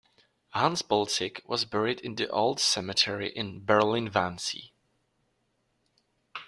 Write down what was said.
Hans Poelzig was buried in the Old Cemetery in Berlin-Wannsee.